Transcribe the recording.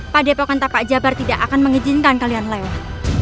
pak depokan tapa jabar tidak akan mengizinkan kalian lewat